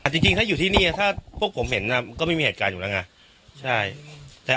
จริงว่าอยู่ที่แบบนี้ผมเห็นก็ไม่มีเหตุการณ์อยู่แล้ว